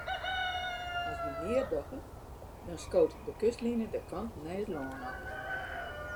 As wy neat dogge, dan skoot de kustline de kant nei it lân op.